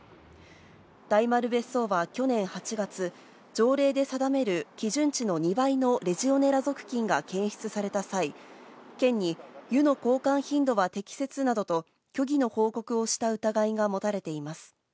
大丸別荘は去年８月、条例で定める基準値の２倍のレジオネラ属菌が検出された際、県に湯の交換頻度は適切などと虚偽の報告をした疑いが持たれています。